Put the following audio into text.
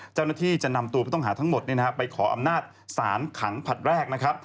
เจ้าหน้าที่จะนำตัวผู้ต้องหาทั้งหมดไปขออำนาจสารขังผลัดแรกนะครับ